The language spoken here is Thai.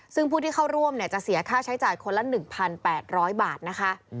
ซึ่งผู้ที่เข้าร่วมจะเสียค่าใช้จ่ายคนละ๑๘๐๐บาทนะคะ